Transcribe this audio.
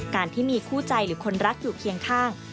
การที่มีคู่ใจหรือคนรักอยู่เคียงข้าง